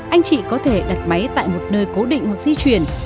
anh chị có thể đặt máy tại một nơi cố định hoặc di chuyển